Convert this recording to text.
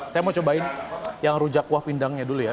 saya mau cobain yang rujak kuah pindangnya dulu ya